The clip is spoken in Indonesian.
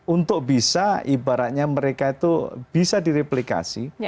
untuk bisa ibaratnya mereka itu bisa direplikasi